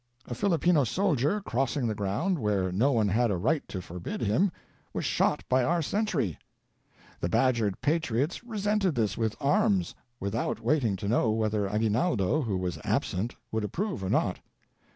A Filipino soldier, crossing the ground, where no one had a right to forbid him, was shot by our sentry. The badgered patriots resented this with arms, with out waiting to know whether Aguinaldo, who was absent, would approve or not.